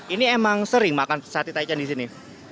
ini emang sering makan sate taichan di sini